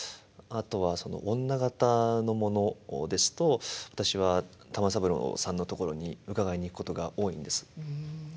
あとは女形のものですと私は玉三郎さんのところに伺いに行くことが多いんです。